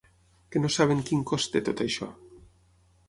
Que no saben quin cost té tot això?